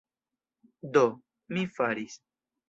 Do, mi faris.